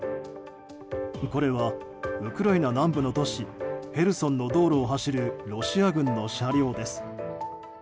これはウクライナ南部の都市ヘルソンの道路を走るロシア軍の車両です。